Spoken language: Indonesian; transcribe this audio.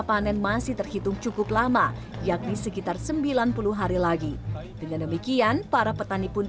panen masih terhitung cukup lama yakni sekitar sembilan puluh hari lagi dengan demikian para petani pun